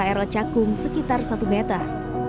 di wilayah stasiun krl cakung sekitar satu meter